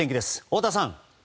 太田さん！